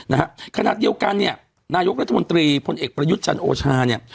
นะฮะในนี้ระยุกตรีผลเอกประยุทธชันโอชาเนี่ย